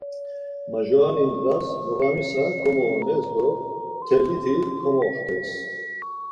Majurani ndğas noğamisa komoones do mteliti komoxtes.